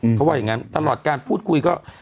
เพราะว่าอย่างนั้นตลอดการพูดคุยก็